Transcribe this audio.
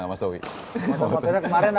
terus motor motornya kemana mas zowie